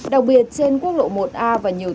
đặc biệt trên quốc lộ một a và nhiều tuyến